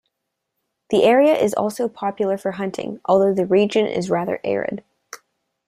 The area is also popular for hunting, although the region is rather arid.